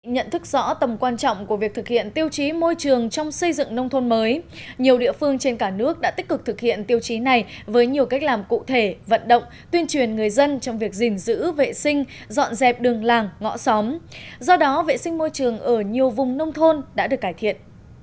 nhận thức rõ tầm quan trọng của việc thực hiện tiêu chí môi trường trong xây dựng nông thôn mới nhiều địa phương trên cả nước đã tích cực thực hiện tiêu chí này với nhiều cách làm cụ thể vận động tuyên truyền người dân trong việc gìn giữ vệ sinh dọn dẹp đường làng ngõ xóm do đó vệ sinh môi trường ở nhiều vùng nông thôn đã được cải thiện